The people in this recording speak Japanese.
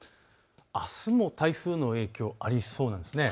あすも台風の影響がありそうなんです。